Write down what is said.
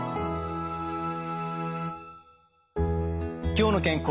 「きょうの健康」。